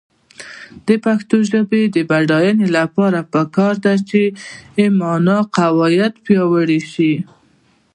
د پښتو ژبې د بډاینې لپاره پکار ده چې معنايي قواعد پیاوړې شي.